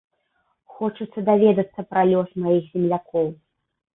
Хочацца даведацца пра лёс маіх землякоў.